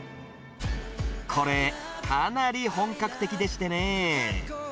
これ、かなり本格的でしてね。